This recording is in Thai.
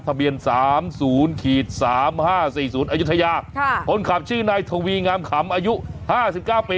ทะเบียน๓๐๓๕๔๐อายุทยาคนขับชื่อนายทวีงามขำอายุ๕๙ปี